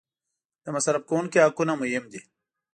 د مصرف کوونکي حقونه مهم دي.